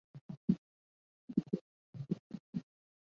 布卢尔德河畔穆泰尔人口变化图示